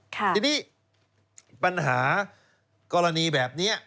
ทีนี้ปัญหากรณีแบบนี้